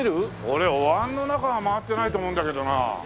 俺おわんの中は回ってないと思うんだけどな。